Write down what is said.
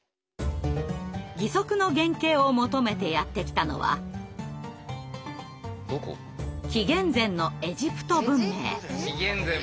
義足の原形を求めてやって来たのは紀元前のエジプト文明。